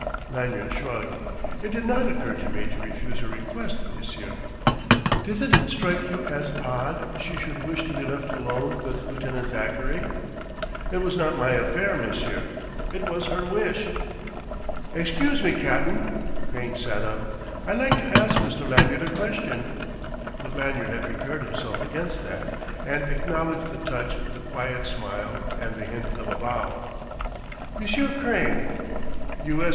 Lanyard shrugged. "It did not occur to me to refuse her request, monsieur." "Didn't it strike you as odd she should wish to be left alone with Lieutenant Thackeray?" "It was not my affair, monsieur. It was her wish." "Excuse me, cap'n." Crane sat up. "I'd like to ask Mr. Lanyard a question." But Lanyard had prepared himself against that, and acknowledged the touch with a quiet smile and the hint of a bow. "Monsieur Crane...." "U.S.